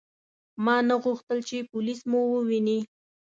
ما نه غوښتل چې پولیس مو وویني.